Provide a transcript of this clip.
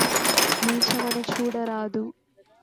నీచమని చూడరాదు